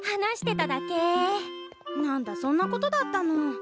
何だそんなことだったの。